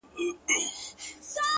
زما خوښيږي پر ماگران دى د سين تـورى _